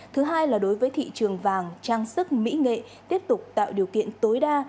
thứ hai là đối với thị trường vàng trang sức mỹ nghệ tiếp tục tạo điều kiện tối đa